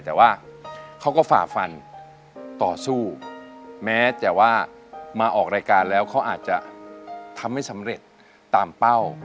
แต่ว่าเขาก็ฝ่าฟันต่อสู้แม้แต่ว่ามาออกรายการแล้วเขาอาจจะทำไม่สำเร็จตามเป้า